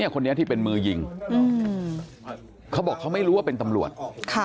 คนนี้ที่เป็นมือยิงเขาบอกเขาไม่รู้ว่าเป็นตำรวจ